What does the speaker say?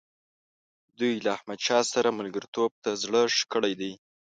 دوی له احمدشاه سره ملګرتوب ته زړه ښه کړی دی.